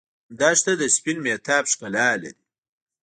دښته د سپین مهتاب ښکلا لري.